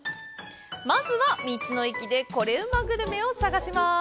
まずは、道の駅でコレうまグルメを探します。